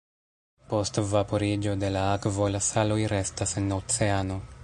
Post vaporiĝo de la akvo, la saloj restas en oceano.